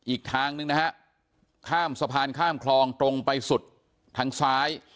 อีกทางหนึ่งนะฮะข้ามสะพานข้ามคลองตรงไปสุดทางซ้าย